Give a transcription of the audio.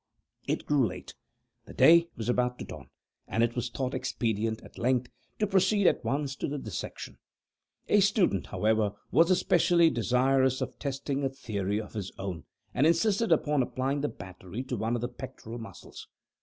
It grew late. The day was about to dawn; and it was thought expedient, at length, to proceed at once to the dissection. A student, however, was especially desirous of testing a theory of his own, and insisted upon applying the battery to one of the pectoral muscles.